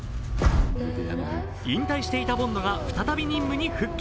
引退していたボンドが再び任務に復帰。